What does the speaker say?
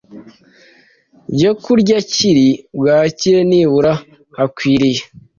byokurya kiri bwakire. Nibura hakwiriye